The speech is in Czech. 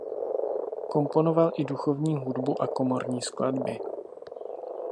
Komponoval i duchovní hudbu a komorní skladby.